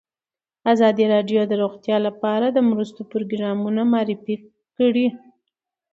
ازادي راډیو د روغتیا لپاره د مرستو پروګرامونه معرفي کړي.